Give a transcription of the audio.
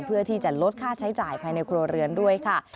เพื่อที่จะลดค่าใช้จ่ายภายในครัวเรือนด้วยค่ะ